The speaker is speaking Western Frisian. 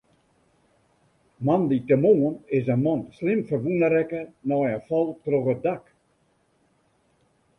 Moandeitemoarn is in man slim ferwûne rekke nei in fal troch in dak.